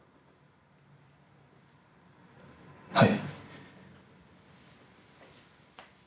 はい。